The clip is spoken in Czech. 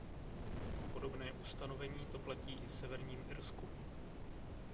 Podobné ustanovení to platí i v Severním Irsku.